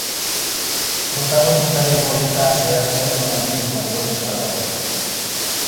Protagonistaren goleta zehaztasun handiz margotuta dago.